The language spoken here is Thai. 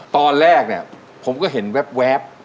ตอนแรกผมก็เห็นแวบ